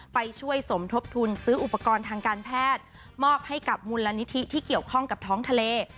ไปช่วยสมทบทุนซื้ออุปกรณ์ทางการแพทย์มอบให้กับมูลนิธิที่เกี่ยวข้องกับท้องทะเล